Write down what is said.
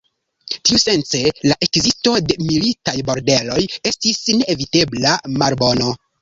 Tiusence la ekzisto de militaj bordeloj estis neevitebla malbono.